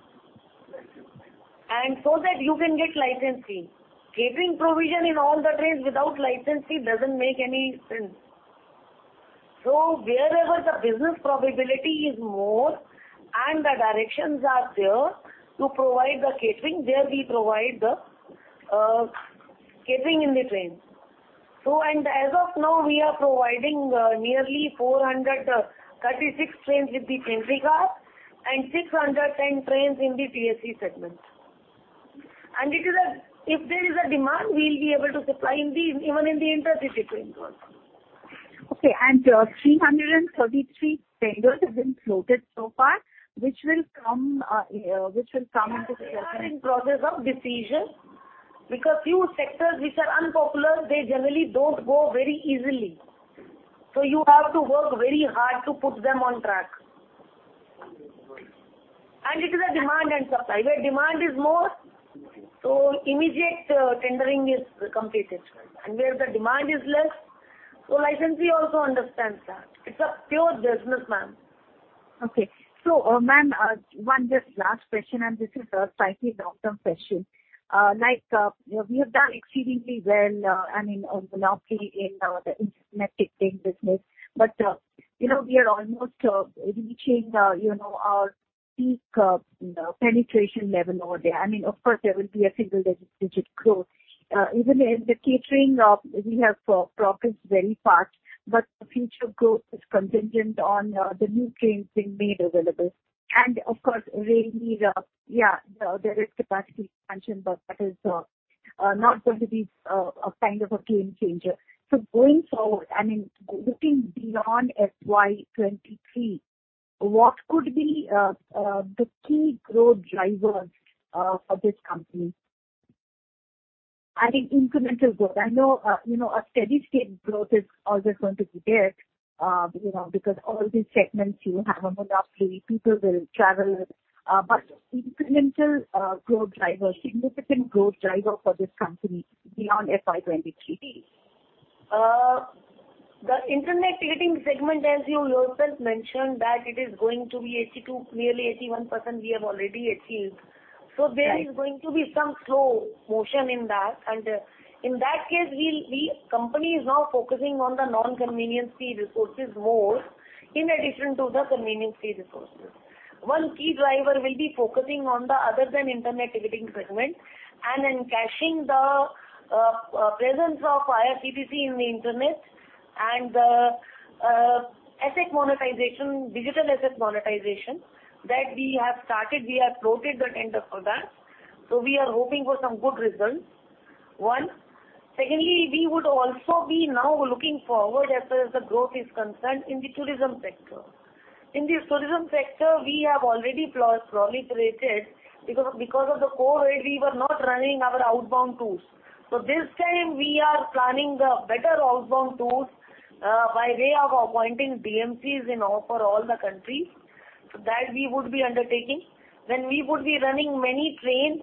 [SPEAKER 3] That you can get licensee. Catering provision in all the trains without licensee doesn't make any sense. Wherever the business probability is more and the directions are there to provide the catering, there we provide the catering in the trains. As of now, we are providing nearly 436 trains with the pantry car and 610 trains in the TSV segment. It is if there is a demand, we'll be able to supply in them, even in the intercity trains also.
[SPEAKER 10] 333 tenders have been floated so far, which will come into
[SPEAKER 3] They are in process of decision. Because few sectors which are unpopular, they generally don't go very easily. You have to work very hard to put them on track. It is a demand and supply. Where demand is more, so immediate tendering is completed. Where the demand is less, so licensee also understands that. It's a pure business, ma'am.
[SPEAKER 10] Okay. Ma'am, one just last question, and this is a slightly long-term question. Like, we have done exceedingly well, I mean, on monopoly in the Internet Ticketing business. You know, we are almost reaching you know, our peak penetration level over there. I mean, of course, there will be a single digit growth. Even in the catering, we have progressed very fast, but the future growth is contingent on the new trains being made available. Of course, Rail Neer, yeah, there is capacity expansion, but that is not going to be a kind of a game changer. Going forward, I mean, looking beyond FY 2023, what could be the key growth drivers for this company? I think incremental growth. I know, you know, a steady-state growth is always going to be there, you know, because all these segments, you have a monopoly, people will travel. Incremental growth driver, significant growth driver for this company beyond FY 2023.
[SPEAKER 3] The Internet Ticketing segment, as you yourself mentioned, that it is going to be 82, nearly 81% we have already achieved.
[SPEAKER 10] Right.
[SPEAKER 3] There is going to be some slow motion in that. In that case, company is now focusing on the non-convenience fee resources more in addition to the convenience fee resources. One key driver will be focusing on the other than Internet Ticketing segment and then cashing the presence of IRCTC in the internet and the asset monetization, digital asset monetization that we have started. We have floated the tender for that. We are hoping for some good results. Secondly, we would also be now looking forward as far as the growth is concerned in the tourism sector. In the tourism sector, we have already proliferated. Because of the COVID, we were not running our outbound tours. This time we are planning the better outbound tours by way of appointing DMCs for all the countries. That we would be undertaking. We would be running many trains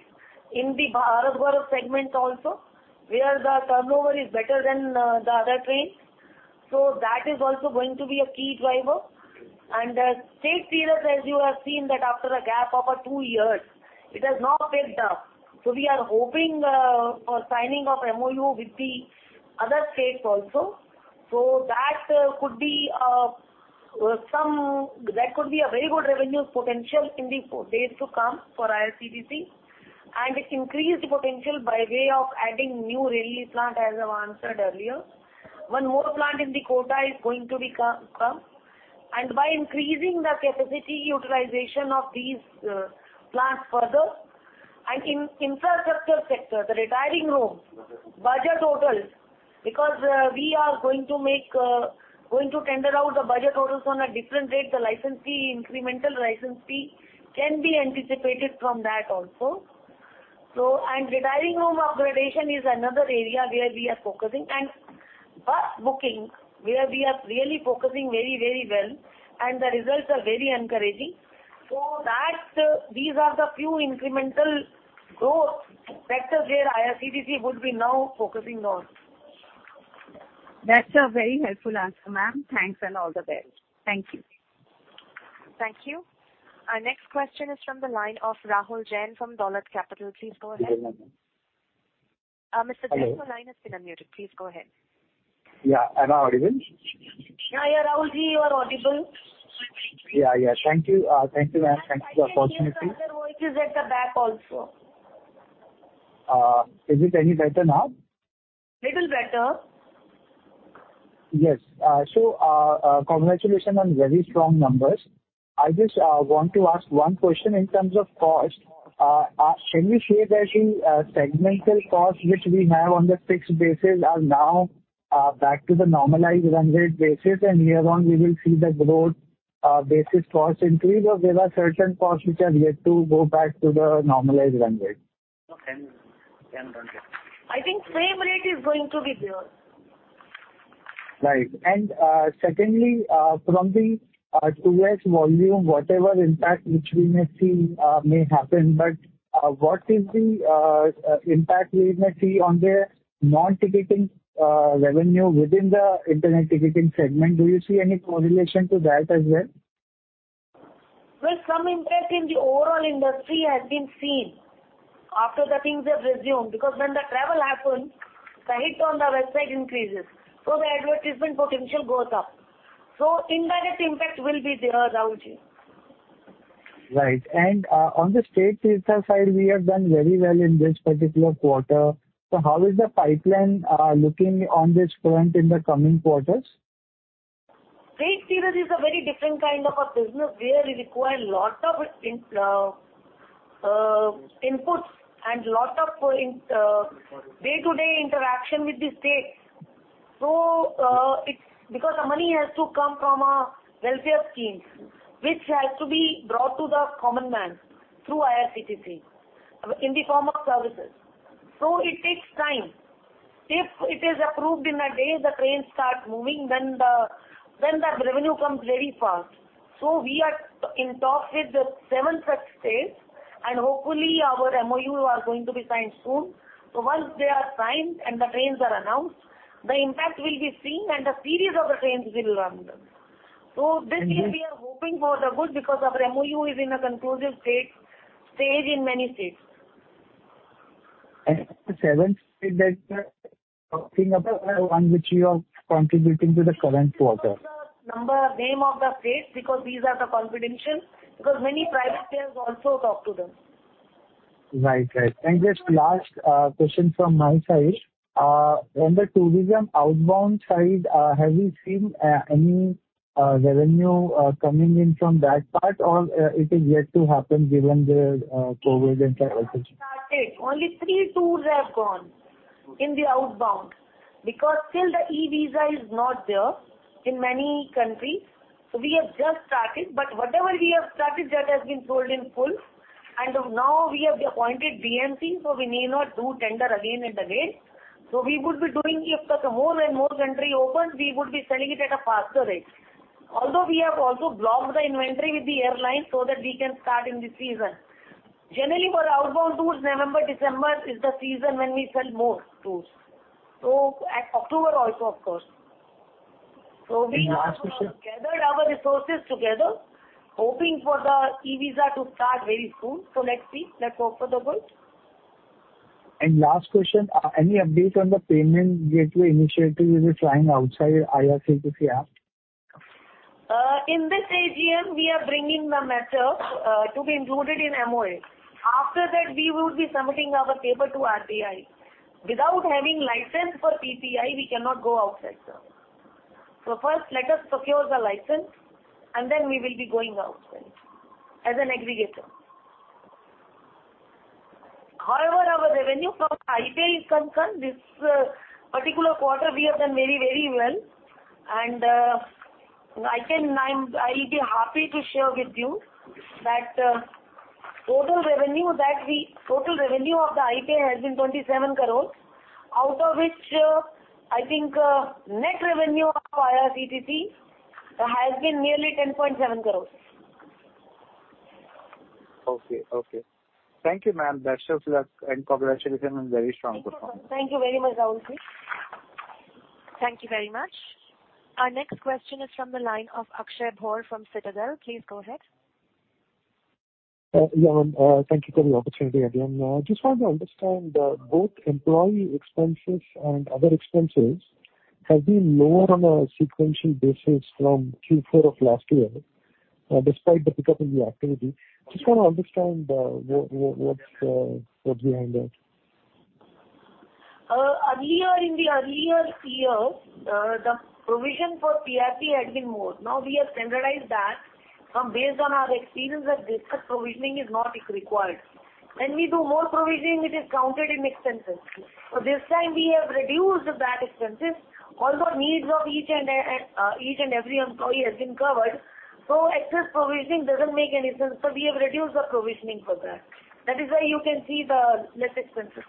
[SPEAKER 3] in the Bharat Gaurav segment also, where the turnover is better than the other trains. That is also going to be a key driver. State Tejas, as you have seen that after a gap of two years, it has now picked up. We are hoping for signing of MoU with the other states also. That could be a very good revenue potential in the days to come for IRCTC. It increased potential by way of adding new railway plant, as I've answered earlier. One more plant in Kota is going to come. By increasing the capacity utilization of these plants further. In infrastructure sector, the retiring rooms, budget hotels, because we are going to tender out the budget hotels on a different rate. The license fee, incremental license fee, can be anticipated from that also. Retiring room upgradation is another area where we are focusing. Bus booking, where we are really focusing very, very well, and the results are very encouraging. These are the few incremental growth vectors where IRCTC would be now focusing on.
[SPEAKER 10] That's a very helpful answer, ma'am. Thanks and all the best. Thank you.
[SPEAKER 1] Thank you. Our next question is from the line of Rahul Jain from Dolat Capital. Please go ahead.
[SPEAKER 3] Hello, ma'am.
[SPEAKER 1] Mr. Jain, your line has been unmuted. Please go ahead.
[SPEAKER 12] Yeah. Am I audible?
[SPEAKER 3] Yeah, yeah, Rahulji, you are audible.
[SPEAKER 12] Yeah, yeah. Thank you. Thank you, ma'am. Thanks for the opportunity.
[SPEAKER 3] I can hear some other voices at the back also.
[SPEAKER 12] Is it any better now?
[SPEAKER 3] Little better.
[SPEAKER 12] Yes. Congratulations on very strong numbers. I just want to ask one question in terms of cost. Can you share the segmental costs which we have on the fixed basis are now back to the normalized run rate basis, and hereon we will see the growth basis cost increase? Or there are certain costs which are yet to go back to the normalized run rate?
[SPEAKER 3] I think same rate is going to be there.
[SPEAKER 12] Right. Secondly, from the 2x volume, whatever impact which we may see may happen, but what is the impact we may see on the non-ticketing revenue within the Internet Ticketing segment? Do you see any correlation to that as well?
[SPEAKER 3] Well, some impact in the overall industry has been seen after the things have resumed, because when the travel happens, the hit on the website increases, so the advertisement potential goes up. Indirect impact will be there, Rahulji.
[SPEAKER 12] Right. On the Tejas side, we have done very well in this particular quarter. How is the pipeline looking on this front in the coming quarters?
[SPEAKER 3] State series is a very different kind of a business where it require lot of inputs and lot of day-to-day interaction with the state. It's because the money has to come from a welfare scheme which has to be brought to the common man through IRCTC in the form of services. It takes time. If it is approved in a day, the trains start moving, then the revenue comes very fast. We are in talks with the seven such states, and hopefully our MoU are going to be signed soon. Once they are signed and the trains are announced, the impact will be seen and the series of the trains will run. This year we are hoping for the good because our MoU is in a conclusive stage in many states.
[SPEAKER 12] The seventh state that talking about one which you are contributing to the current quarter.
[SPEAKER 3] I cannot give out the number, name of the states because these are confidential, because many private players also talk to them.
[SPEAKER 12] Right. Just last question from my side. On the tourism outbound side, have you seen any revenue coming in from that part or it is yet to happen given the COVID and travel restrictions?
[SPEAKER 3] We have started. Only three tours have gone in the outbound because till the e-Visa is not there in many countries. We have just started. Whatever we have started, that has been sold in full. Now we have appointed DMCs, so we need not do tender again and again. We would be doing if the more and more country opens, we would be selling it at a faster rate. Although we have also blocked the inventory with the airlines so that we can start in this season. Generally, for outbound tours, November, December is the season when we sell more tours. At October also, of course. We have-
[SPEAKER 12] Last question.
[SPEAKER 3] Gathered our resources together, hoping for the e-Visa to start very soon. Let's see. Let's hope for the good.
[SPEAKER 12] Last question. Any update on the payment gateway initiative you were trying outside IRCTC app?
[SPEAKER 3] In this AGM, we are bringing the matter to be included in MOA. After that, we would be submitting our paper to RBI. Without having license for PPI, we cannot go outside, sir. First let us procure the license and then we will be going outside as an aggregator. However, our revenue from i-Pay is concerned. This particular quarter we have done very, very well. I'll be happy to share with you that total revenue of the i-Pay has been 27 crore, out of which I think net revenue of IRCTC has been nearly 10.7 crore.
[SPEAKER 12] Okay. Thank you, ma'am. Best of luck and congratulations on very strong performance.
[SPEAKER 3] Thank you. Thank you very much, Rahulji.
[SPEAKER 1] Thank you very much. Our next question is from the line of Akshay Bhor from Citadel. Please go ahead.
[SPEAKER 9] Yeah. Thank you for the opportunity again. Just want to understand both employee expenses and other expenses has been lower on a sequential basis from Q4 of last year despite the pickup in the activity. Just want to understand what's behind that.
[SPEAKER 3] Earlier in the year, the provision for PRP had been more. Now we have standardized that based on our experience that this kind of provisioning is not required. When we do more provisioning, it is counted in expenses. This time we have reduced that expenses. All the needs of each and every employee has been covered. Excess provisioning doesn't make any sense. We have reduced the provisioning for that. That is why you can see the less expenses.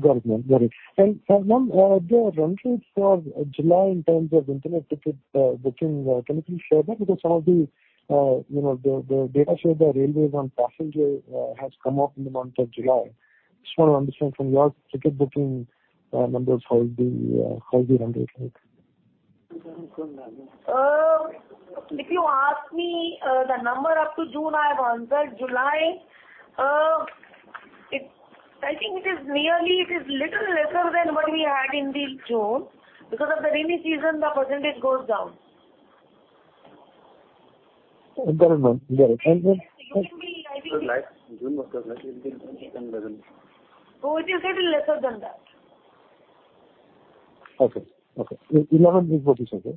[SPEAKER 9] Got it, ma'am. Ma'am, the run rate for July in terms of internet ticket booking, can you please share that? Because some of, you know, the data shows that railways passenger has come up in the month of July. Just want to understand from your ticket booking numbers, how is the run rate like?
[SPEAKER 3] If you ask me, the number up to June, I have answered. July, I think it is nearly, it is little lesser than what we had in June. Because of the rainy season, the percentage goes down.
[SPEAKER 9] Got it, ma'am. Got it.
[SPEAKER 3] You can be live in.
[SPEAKER 9] Last June was 10% lesser.
[SPEAKER 3] Oh, it is a little lesser than that.
[SPEAKER 9] Okay. 11%-12%, yeah?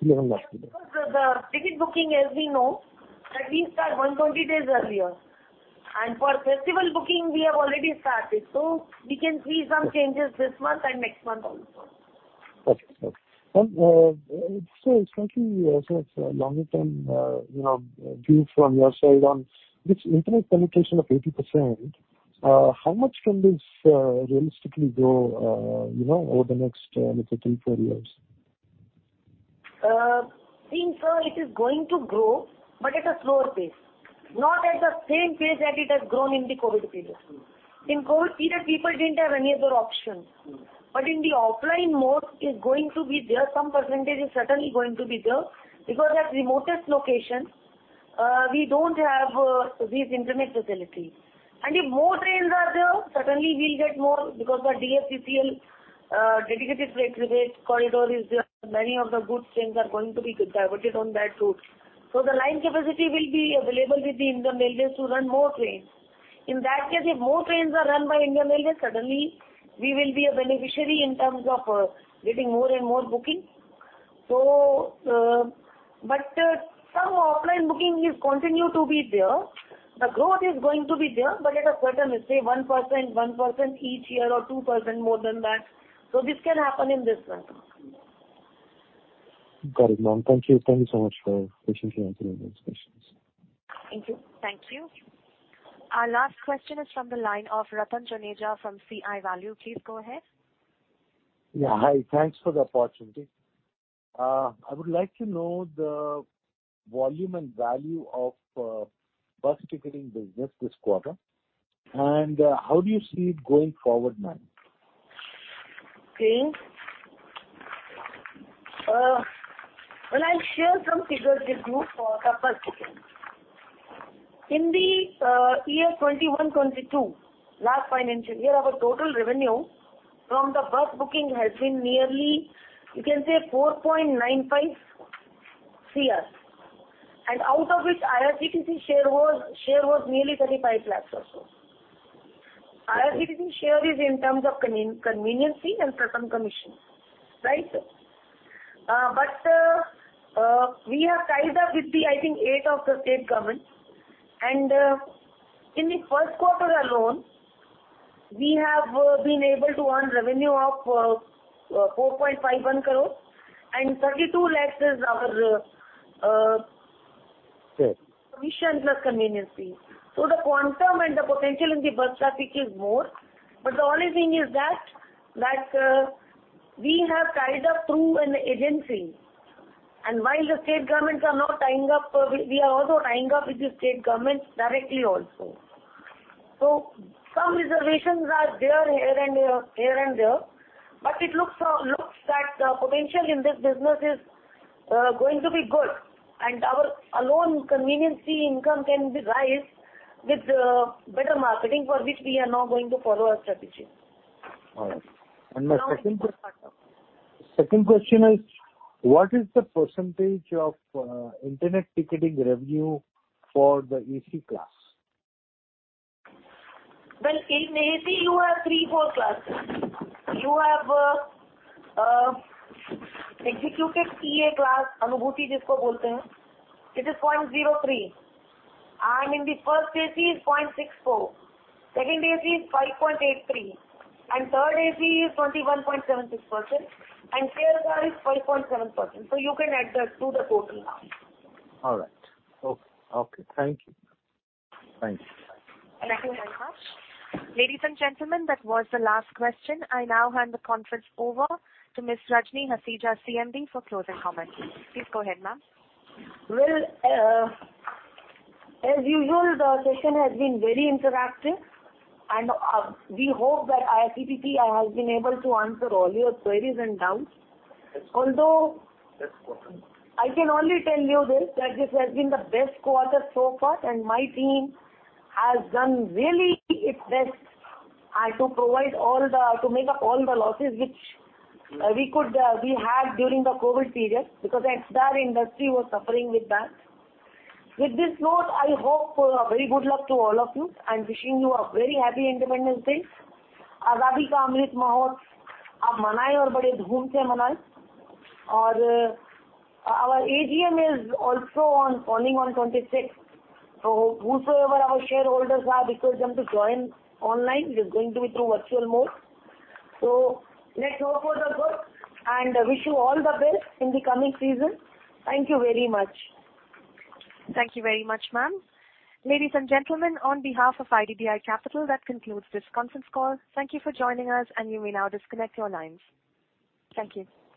[SPEAKER 3] Because the ticket booking, as we know, at least are 120 days earlier. For festival booking, we have already started. We can see some changes this month and next month also.
[SPEAKER 9] Ma'am, just wanting your longer-term view from your side on this internet penetration of 80%. How much can this realistically grow, you know, over the next, let's say two, three years?
[SPEAKER 3] I think, sir, it is going to grow, but at a slower pace, not at the same pace that it has grown in the COVID period. In COVID period, people didn't have any other option. In the offline mode is going to be there. Some percentage is certainly going to be there because at remotest locations, we don't have these internet facilities. If more trains are there, certainly we'll get more because the DFCCIL, Dedicated Freight Corridor is there. Many of the goods trains are going to be diverted on that route. The line capacity will be available with the Indian Railways to run more trains. In that case, if more trains are run by Indian Railways, suddenly we will be a beneficiary in terms of getting more and more booking. Some offline booking is continue to be there. The growth is going to be there, but at a certain, say 1% each year or 2% more than that. This can happen in this manner.
[SPEAKER 9] Got it, ma'am. Thank you. Thank you so much for patiently answering those questions.
[SPEAKER 3] Thank you.
[SPEAKER 1] Thank you. Our last question is from the line of [Ratan Juneja from CI Value]. Please go ahead.
[SPEAKER 13] Yeah, hi. Thanks for the opportunity. I would like to know the volume and value of bus ticketing business this quarter, and how do you see it going forward, ma'am?
[SPEAKER 3] Okay. Well, I'll share some figures with you for the bus ticketing. In the year 2021-22, last financial year, our total revenue from the bus booking has been nearly, you can say, 4.95 crore. Out of which IRCTC share was nearly 35 lakh or so. IRCTC share is in terms of convenience fee and certain commission. Right, sir? We have tied up with the, I think, eight of the state governments. In the first quarter alone, we have been able to earn revenue of 4.51 crore and 32 lakh is our.
[SPEAKER 13] Sure.
[SPEAKER 3] Commission plus convenience fee. The quantum and the potential in the bus traffic is more. The only thing is that we have tied up through an agency. While the state governments are now tying up, we are also tying up with the state governments directly also. Some reservations are there, here and there. It looks that potential in this business is going to be good. Our alone convenience fee income can be rise with better marketing, for which we are now going to follow our strategy.
[SPEAKER 4] All right.
[SPEAKER 3] Now in the first quarter.
[SPEAKER 4] Second question is, what is the percentage of Internet Ticketing revenue for the AC class?
[SPEAKER 3] Well, in AC you have three, four classes. You have Executive class, Anubhuti jisko bolte hain. It is 0.03%. In the first AC is 0.64%. Second AC is 5.83%. Third AC is 21.76%. Chair car is 5.7%. You can add that to the total now.
[SPEAKER 4] All right. Okay. Thank you.
[SPEAKER 1] Thank you very much. Ladies and gentlemen, that was the last question. I now hand the conference over to Ms. Rajni Hasija, CMD, for closing comments. Please go ahead, ma'am.
[SPEAKER 3] Well, as usual, the session has been very interactive. We hope that IRCTC has been able to answer all your queries and doubts. Although I can only tell you this, that this has been the best quarter so far, and my team has done really its best to make up all the losses which we had during the COVID period. Because the entire industry was suffering with that. With this note, I hope very good luck to all of you. I'm wishing you a very happy Independence Day. Azadi Ka Amrit Mahotsav, aap manaye aur bade dhoom se manaye. Our AGM is also on, falling on 26th. So whosoever our shareholders are, we urge them to join online. It is going to be through virtual mode. Let's hope for the good, and wish you all the best in the coming season. Thank you very much.
[SPEAKER 1] Thank you very much, ma'am. Ladies and gentlemen, on behalf of IDBI Capital, that concludes this conference call. Thank you for joining us, and you may now disconnect your lines. Thank you.